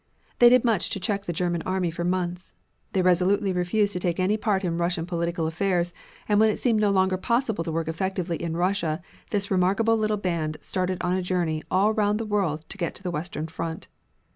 They did much to check the German army for months. They resolutely refused to take any part in Russian political affairs, and when it seemed no longer possible to work effectively in Russia this remarkable little band started on a journey all round the world to get to the western front.